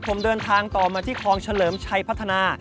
ผมเดินทางต่อมาที่คลองเฉลิมชัยพัฒนา